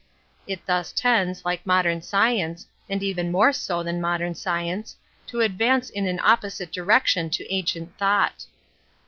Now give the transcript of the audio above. It thus tends, like mod3rn science, and even more so than modern science, to advance in an opposite direc tion to ancient thought.